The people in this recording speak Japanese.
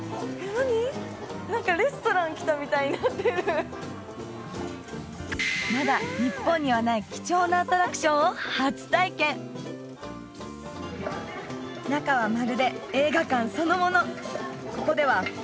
何かまだ日本にはない貴重なアトラクションを初体験中はまるで映画館そのもの